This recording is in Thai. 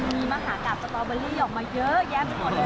มีมหากาศสตรอเบอรี่ออกมาเยอะแยะ